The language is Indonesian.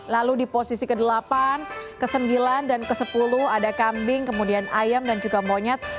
lalu di posisi ke delapan ke sembilan dan ke sepuluh ada kambing kemudian ayam dan juga monyet